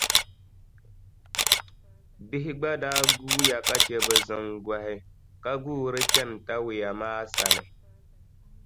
Bihi gba daa guuya ka che bɛ ziŋgɔhi ka guuri chani Tawia maa sani.